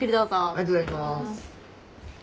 ありがとうございます。